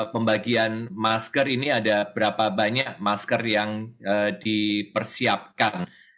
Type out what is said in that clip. pembagian masker ini ada berapa banyak masker yang dipersiapkan